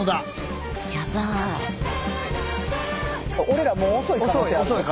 おれらもう遅い。